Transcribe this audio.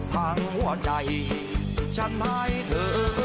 ทางหัวใจฉันให้เธอ